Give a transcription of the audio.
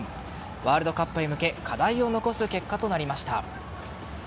ワールドカップへ向け課題を残す結果となりました。